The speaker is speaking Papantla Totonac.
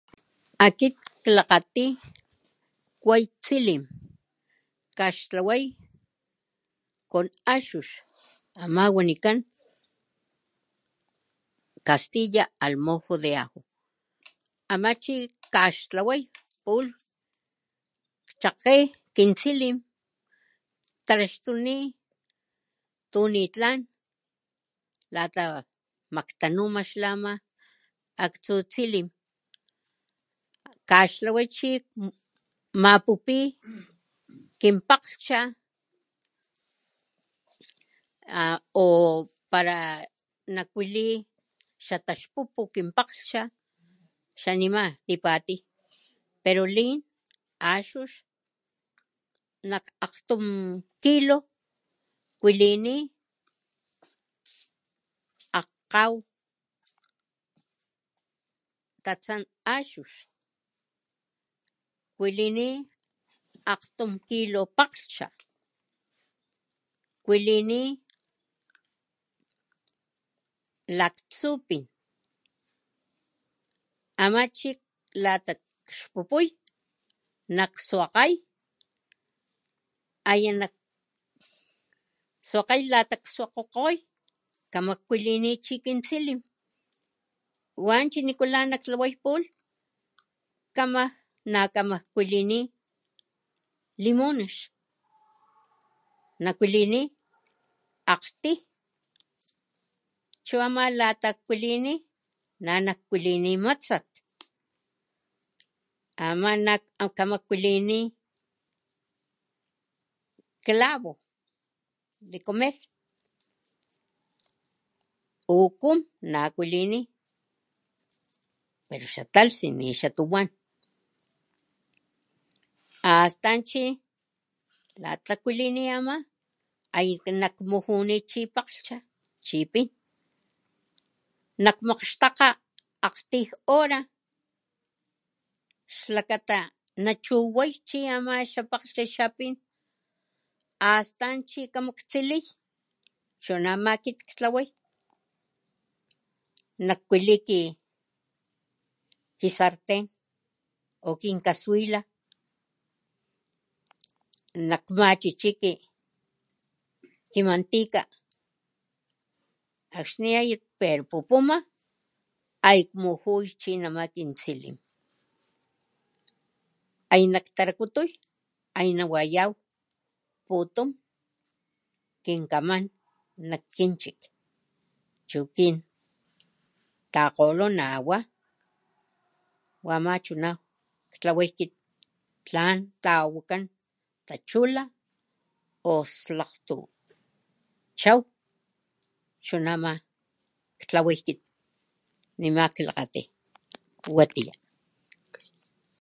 "Akit klakgati way tsilim, kaxtlaway con axux, ama wanikan castilla ""al mojo de ajo"", ama chi kaxtlaway pulh kchakge kin tsilim ktraxtuní tu nitlan lata maktanuma xlama aktsu tsilim kaxtlaway chi mapupi kin pakglhcha a o pala nakwalí xa taxpu'pu kin pakglhcha xa nima tipatuy pero lin axux nak akgtum kilo kwilini ajkaw tatsan axux kwalini akgtum kilo pakglhcha, kwalini laktsupin, ama chi lata kxpupuy lakswakgay aya na' swakgaw lata swakgakgoy kama kwalini chi kin tsilim wanchi nikula nak tlaway pulh kama na kamaj kwaliní limunax nakkualiní akgti chu ama lata kwalini na' nakwalini matsat ama na' kama kualini clavo de comer o ukum nakualini pero xa talhtsi ni xa tuwan, astan chi lata kualini ama ay nak mujuni chi palkghcha chi pin nakgmakgxtakga akgtij hora xlakata na chuwaw chi ama xa pakghcha xa pin, astan chi kamak tsiliy chunama kit ktlaway nak kuali ki ki sarten o kin kaswila nakmachi'chi ki mantika akxní a eye pero pupuma ay kmujuy chi nama kin tsilim ay nakmarakutu ay na wayaw putum kin kaman nak kinchik chu kin takgolo nawa wama chuna ktaway chu kit ktlaway tlan tawakan tachula o xlakgstu chow, chunama ktlaway kit nima klakgatí watiya."